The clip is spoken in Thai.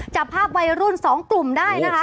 จับภาพวัยรุ่น๒กลุ่มได้นะคะ